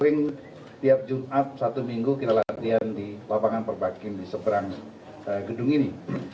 dan setiap jumat satu minggu kita latihan di lapangan perpakim di seberang gedung ini